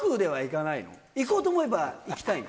行こうと思えば行きたいの？